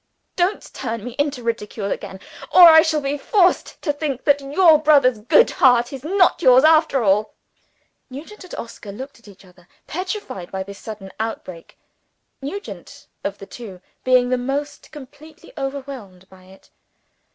Don't turn me into ridicule again or I shall be forced to think that your brother's good heart is not yours also!" Nugent and Oscar looked at each other, petrified by this sudden outbreak; Nugent, of the two, being the most completely overwhelmed by it.